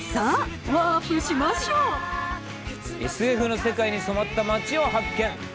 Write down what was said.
ＳＦの世界に染まった町を発見！